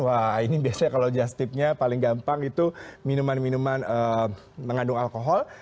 wah ini biasanya kalau just tipnya paling gampang itu minuman minuman mengandung alkohol